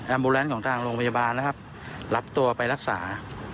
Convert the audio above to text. โบแลนซ์ของทางโรงพยาบาลนะครับรับตัวไปรักษา